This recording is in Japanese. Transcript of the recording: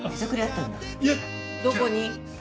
どこに？